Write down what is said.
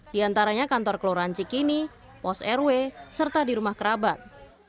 di antaranya kantor kelurahan cikini pos rw serta di rumah kerabat